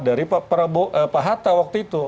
dari pak hatta waktu itu